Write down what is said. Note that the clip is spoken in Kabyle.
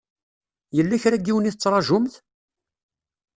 Yella kra n yiwen i tettṛajumt?